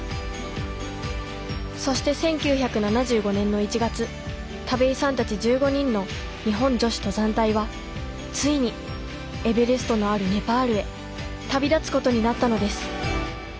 そして１９７５年の１月田部井さんたち１５人の日本女子登山隊はついにエベレストのあるネパールへ旅立つことになったのです。